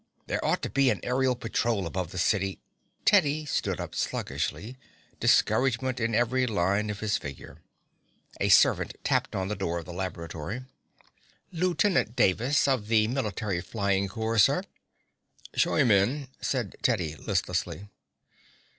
"There ought to be an aërial patrol above the city " Teddy stood up sluggishly, discouragement in every line of his figure. A servant tapped on the door of the laboratory. "Lieutenant Davis, of the military flying corps, sir." "Show him in," said Teddy listlessly.